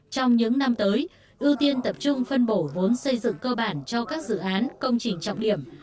trong những năm tới ưu tiên tập trung phân bổ vốn xây dựng cơ bản cho các dự án công trình trọng điểm